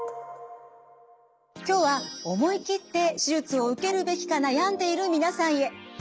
今日は思い切って手術を受けるべきか悩んでいる皆さんへ。